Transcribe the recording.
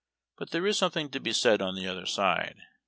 But there is something to be said on the other side.